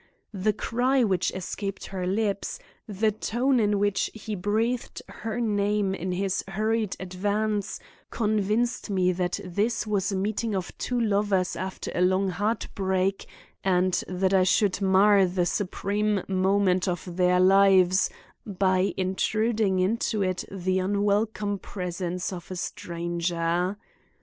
The cry which escaped her lips, the tone in which he breathed her name in his hurried advance, convinced me that this was a meeting of two lovers after a long heart break and that I should mar the supreme moment of their lives by intruding into it the unwelcome presence of a stranger.